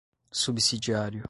subsidiário